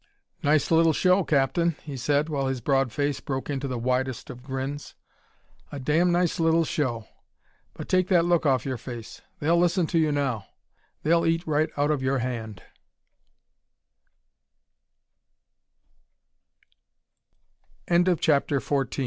"Nice little show, Captain," he said, while his broad face broke into the widest of grins. "A damn nice little show! But take that look off of your face. They'll listen to you now; they'll eat right out of your hand." CHAPTER XV If Lieutenant Mc